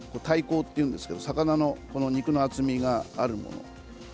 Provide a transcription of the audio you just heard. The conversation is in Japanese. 体高っていうんですけども魚の肉の厚みがあるもの。